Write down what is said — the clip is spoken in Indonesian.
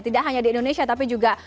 tidak hanya di indonesia tapi juga